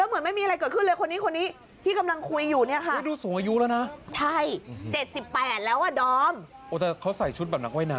เจอแบบไหนรู้ไหมเจอแบบที่เขาเดิน